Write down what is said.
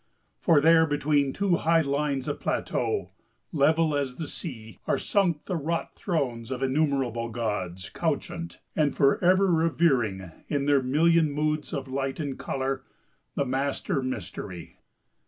For there, between two high lines of plateau, level as the sea, are sunk the wrought thrones of the innumerable gods, couchant, and for ever revering, in their million moods of light and colour, the Master Mystery.